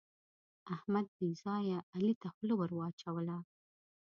احمد بې ځایه علي ته خوله ور واچوله.